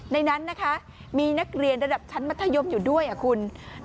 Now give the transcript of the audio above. ในนั้นนะคะมีนักเรียนระดับชั้นมัธยมอยู่ด้วยคุณ